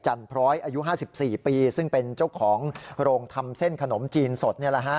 พร้อยอายุ๕๔ปีซึ่งเป็นเจ้าของโรงทำเส้นขนมจีนสด